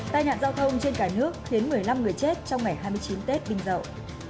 tai nạn giao thông trên cả nước khiến một mươi năm người chết trong ngày hai mươi chín tết bình dậu